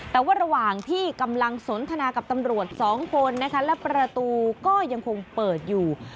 แต่ว่าระหว่างที่กำลังสนทนากับตำรวจสองคนนะคะและประตูก็ยังคงเปิดอยู่